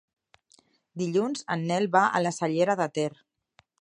Dilluns en Nel va a la Cellera de Ter.